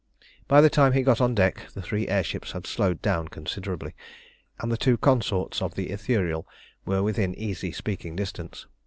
By the time he got on deck the three air ships had slowed down considerably, and the two consorts of the Ithuriel were within easy speaking distance.